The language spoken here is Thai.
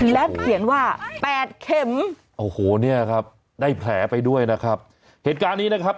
และเขียนว่าแปดเข็มโอ้โหเนี่ยครับได้แผลไปด้วยนะครับเหตุการณ์นี้นะครับ